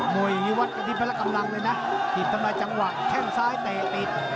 โมยอย่างนี้วัดกระดิษฐ์พระกำลังเลยนะหยิบต่อมาจังหวะแข้งซ้ายไปติด